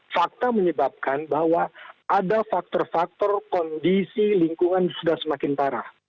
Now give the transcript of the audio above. fakta menyebabkan bahwa ada faktor faktor kondisi lingkungan sudah semakin parah